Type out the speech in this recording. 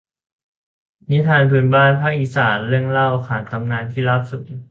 นิทานพื้นบ้านภาคอีสาน เรื่องเล่าขานตำนานที่ราบสูง